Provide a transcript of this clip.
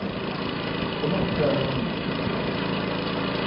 THE NOCTURNAL MEETING.